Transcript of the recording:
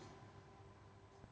mbak nana yang pertama